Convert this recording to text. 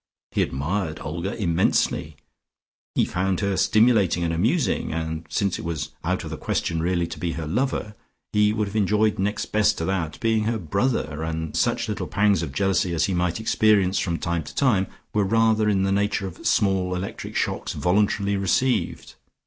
He admired Olga immensely, he found her stimulating and amusing, and since it was out of the question really to be her lover, he would have enjoyed next best to that, being her brother, and such little pangs of jealousy as he might experience from time to time, were rather in the nature of small electric shocks voluntarily received.